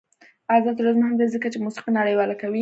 آزاد تجارت مهم دی ځکه چې موسیقي نړیواله کوي.